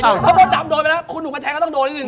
คุณหมดดำโดยไปทักของคุณหนุ่มกัญชัยมันต้องโดยชิดอยู่